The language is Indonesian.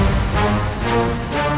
aku tidak tahu